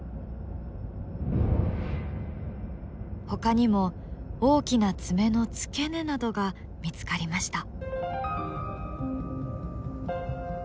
ほかにも大きな爪の付け根などが見つかりました。